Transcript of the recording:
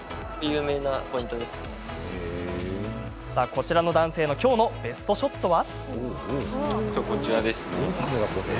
こちらの男性の今日のベストショットは？